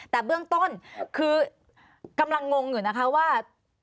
แต่เบื้องต้นคือกำลังงงอยู่นะคะว่า